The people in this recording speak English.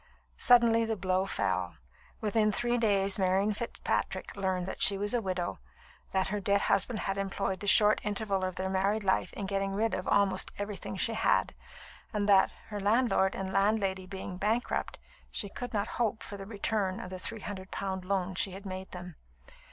Suddenly the blow fell. Within three days Marian Fitzpatrick learned that she was a widow, that her dead husband had employed the short interval of their married life in getting rid of almost everything she had; and that, her landlord and landlady being bankrupt, she could not hope for the return of the three hundred pound loan she had made them.